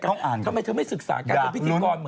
ทำไมเธอไม่ศึกษาการเป็นพิธีกร